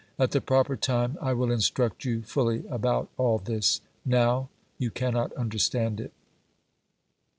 At the proper time I will instruct you fully about all this; now, you cannot understand it."